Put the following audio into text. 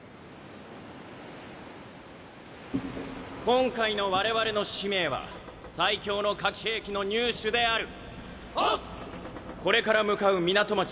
今回の我々の使命は最強の火気兵器の入手である（兵士たちこれから向かう港町